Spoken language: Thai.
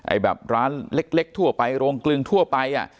แบบร้านเล็กทั่วไปโรงกลึงทั่วไปอ่ะ